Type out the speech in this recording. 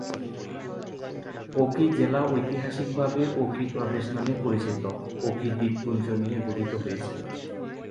ওকি জেলা ঐতিহাসিকভাবে ওকি প্রদেশ নামে পরিচিত ওকি দ্বীপপুঞ্জ নিয়ে গঠিত হয়েছে।